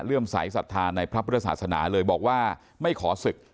สายศรัทธาในพระพุทธศาสนาเลยบอกว่าไม่ขอศึก